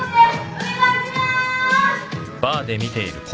お願いします！